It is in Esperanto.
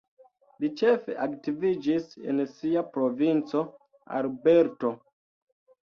Li ĉefe aktiviĝis en sia provinco Alberto.